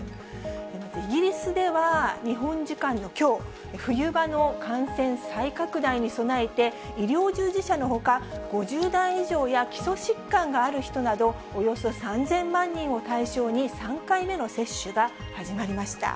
まずイギリスでは、日本時間のきょう、冬場の感染再拡大に備えて、医療従事者のほか、５０代以上や基礎疾患がある人など、およそ３０００万人を対象に、３回目の接種が始まりました。